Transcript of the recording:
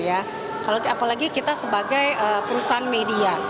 apalagi kita sebagai perusahaan media